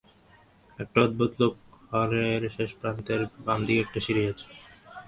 একটা অদ্ভুত লোক, হলের শেষ প্রান্তের, বামদিকে একটা সিঁড়ি আছে।